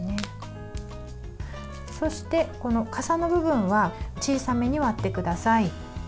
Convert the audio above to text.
そして、かさの部分は小さめに割ってください。